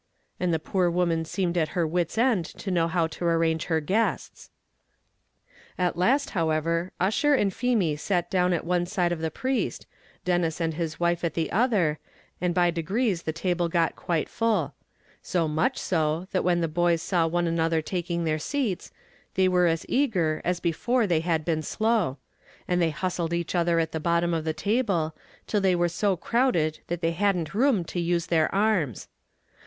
and the poor woman seemed at her wit's end to know how to arrange her guests. At last, however, Ussher and Feemy sat down at one side of the priest, Denis and his wife at the other, and by degrees the table got quite full; so much so, that when the boys saw one another taking their seats, they were as eager as before they had been slow; and they hustled each other at the bottom of the table, till they were so crowded that they hadn't room to use their arms.